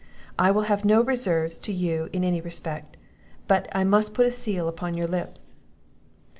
I will have no reserves to you in any respect; but I must put a seal upon your lips."